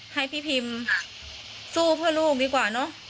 ให้พี่พิมสู้เพื่อลูกดีกว่าเนอะ